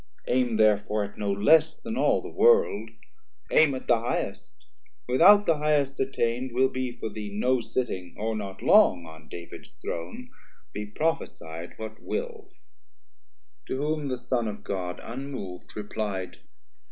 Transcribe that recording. Aim therefore at no less then all the world, Aim at the highest, without the highest attain'd Will be for thee no sitting, or not long On Davids Throne, be propheci'd what will, To whom the Son of God unmov'd reply'd.